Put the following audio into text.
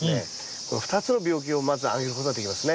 この２つの病気をまず挙げることができますね。